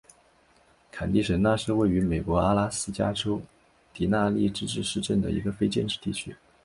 坎蒂什纳是位于美国阿拉斯加州迪纳利自治市镇的一个非建制地区。